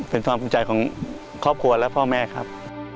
เป็นความภูมิใจของครอบครัวและพ่อแม่ครับ